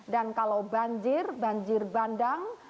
dan kalau banjir banjir bandang